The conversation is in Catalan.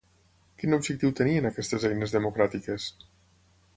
Quin objectiu tenien aquestes eines democràtiques?